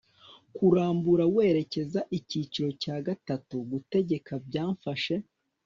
kurambura werekezaicyiciro cya gatatu gutegeka byamfashe